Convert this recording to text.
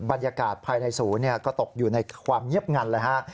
บรรยากาศภายในศูนย์ก็ตกอยู่ในความเงียบงันเลยฮะ